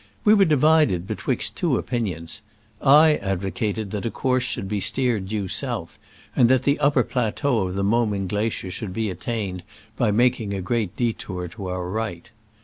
We were divided betwixt two opinions. I advocated that a course should be steer ed due south, and that the upper plateau of the Moming glacier should be attained by making a great detour to our right.